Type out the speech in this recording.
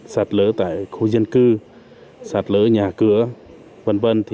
sạt lở tại khu dân cư sạt lở nhà cửa v v